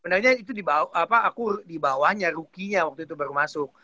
benernya itu di bawah aku di bawahnya rukinya waktu itu baru masuk